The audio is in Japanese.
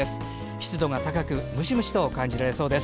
湿度が高くムシムシと感じられそうです。